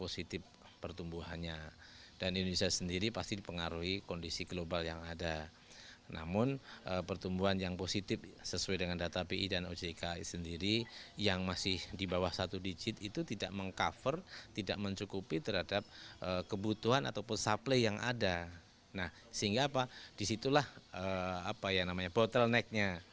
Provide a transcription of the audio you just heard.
sehingga apa disitulah bottlenecknya